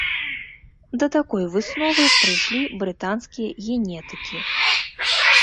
Да такой высновы прыйшлі брытанскія генетыкі.